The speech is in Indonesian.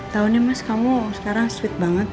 tahunnya mas kamu sekarang sweet banget